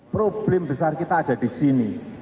problem besar kita ada di sini